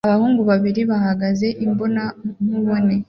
Abahungu babiri bahagaze imbonankubone